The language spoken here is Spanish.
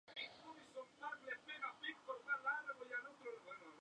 Abandonada desde hacía tiempo, fue utilizada como residencia de ancianos.